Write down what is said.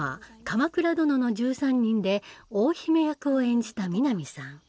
「鎌倉殿の１３人」で大姫役を演じた南さん。